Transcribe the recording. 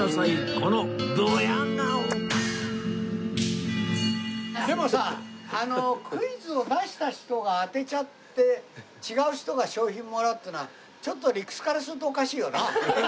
このドヤ顔でもさクイズを出した人が当てちゃって違う人が賞品もらうっていうのはちょっと理屈からするとおかしいよな。